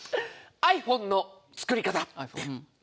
ｉＰｈｏｎｅの作り方。